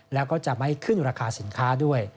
แล้วก็จะไม่ขึ้นราคาสินค้าด้วย